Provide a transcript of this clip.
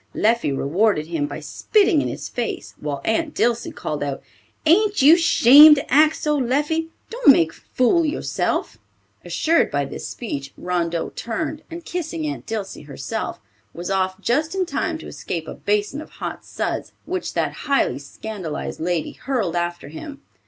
Leffie rewarded him by spitting in his face, while Aunt Dilsey called out, "Ain't you 'shamed to act so, Leffie? Don't make a fool of yourself!" Assured by this speech, Rondeau turned, and kissing Aunt Dilsey herself, was off just in time to escape a basin of hot suds which that highly scandalized lady hurled after him.